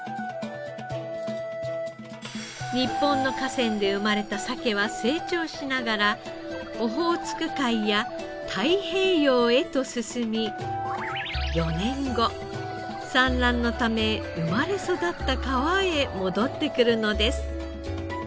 日本の河川で生まれたサケは成長しながらオホーツク海や太平洋へと進み４年後産卵のため生まれ育った川へ戻ってくるのです。